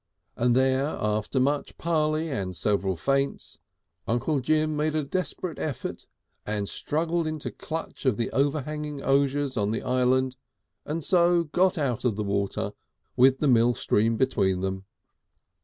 And there, after much parley and several feints, Uncle Jim made a desperate effort and struggled into clutch of the overhanging osiers on the island, and so got out of the water with the millstream between them.